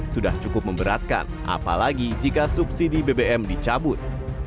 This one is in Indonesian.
sudah cukup memberatkan apalagi jika subsidi bbm dicabut